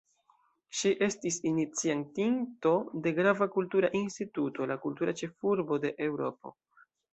Ŝi estis iniciatinto de grava kultura instituto: la “Kultura ĉefurbo de Eŭropo”.